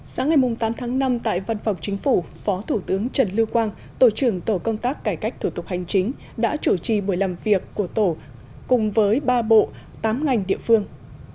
sáng ngày tám tháng năm tại văn phòng chính phủ phó thủ tướng trần lưu quang tổ trưởng tổ công tác cải cách thủ tục hành chính đã chủ trì buổi làm việc của tổ cùng với ba bộ tám ngành địa phương